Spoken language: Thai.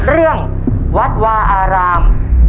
เรื่องวัดวาอาราม